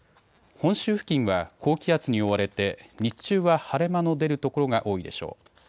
本州付近は高気圧に覆われて日中は晴れ間の出る所が多いでしょう。